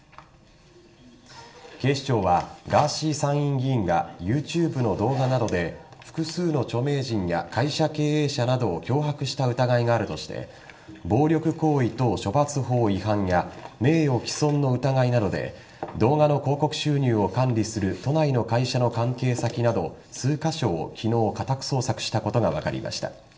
警視庁はガーシー参院議員がＹｏｕＴｕｂｅの動画などで複数の著名人や会社経営者などを脅迫した疑いがあるとして暴力行為等処罰法違反や名誉毀損の疑いなどで動画の広告収入を管理する都内の会社の関係先など数カ所を昨日、家宅捜索したことが分かりました。